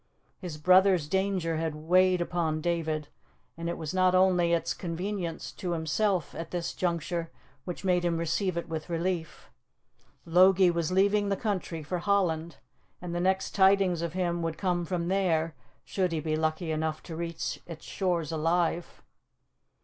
His brother's danger had weighed upon David, and it was not only its convenience to himself at this juncture which made him receive it with relief. Logie was leaving the country for Holland, and the next tidings of him would come from there, should he be lucky enough to reach its shores alive.